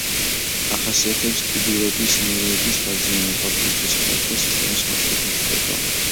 ახასიათებს კიდურების ნერვების დაზიანება, გულ-სისხლძარღვთა სისტემის მოშლა, შეშუპება.